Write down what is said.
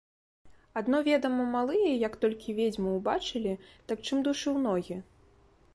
Адно, ведама, малыя, як толькі ведзьму ўбачылі, так чым душы ў ногі.